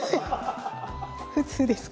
普通です